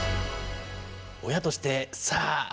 親としてさあ